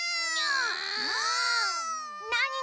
なに？